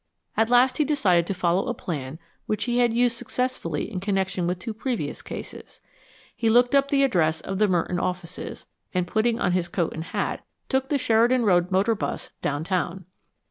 At last he decided to follow a plan which he had used successfully in connection with two previous cases. He looked up the address of the Merton offices, and putting on his coat and hat, took the Sheridan Road motor bus downtown.